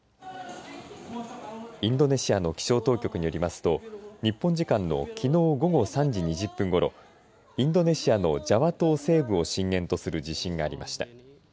インドネシアの気象当局によりますと日本時間のきのう午後３時２０分ごろインドネシアのジャワ島西部を震源とする地震がありました。